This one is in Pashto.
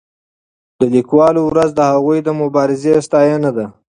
د لیکوالو ورځ د هغوی د مبارزې ستاینه ده.